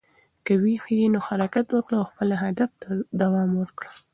که ویښ یې، نو حرکت وکړه او خپلې هدف ته دوام ورکړه.